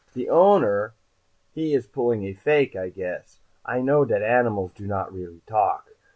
De owner, he is pulling a fake, I guess. I know dat animals do not really talk.